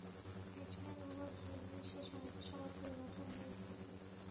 একজনের ব্যবহার ভালো হলে সে সহজেই সবার প্রিয়ভাজন হয়ে উঠতে পারে।